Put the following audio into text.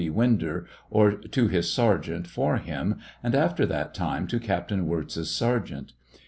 B. Winder, or to his sergeant for him, and after that time to Captain Wirz'a sergeant.